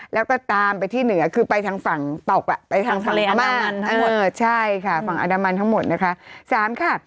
แล้วก็ตามไปที่เหนือคือไปทางฝั่งอาดามันทั้งหมดนะคะ